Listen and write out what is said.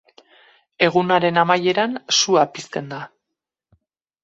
Egunaren amaieran, sua pizten da.